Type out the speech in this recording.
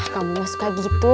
kamu gak suka gitu